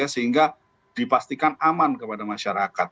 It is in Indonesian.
sehingga dipastikan aman kepada masyarakat